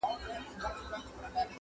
د کور هر غړی مات او بې وسه ښکاري,